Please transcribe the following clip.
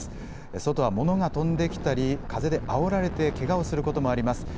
外は物が飛んできたり風であおられてけがをすることもあります。